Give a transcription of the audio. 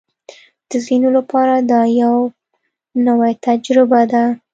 د ځینو لپاره دا یوه نوې تجربه ده